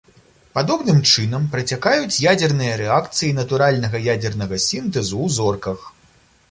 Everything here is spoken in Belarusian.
Падобным чынам працякаюць ядзерныя рэакцыі натуральнага ядзернага сінтэзу ў зорках.